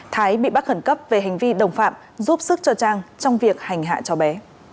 thái bị bắt khẩn cấp về hành vi đồng phạm giúp sức cho trang trong việc hành hạ cho bé